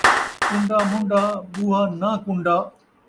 ٹُنڈا مُنڈا، ٻوہا ناں کُنڈا